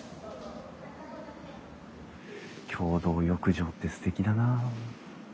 共同浴場ってすてきだなあ。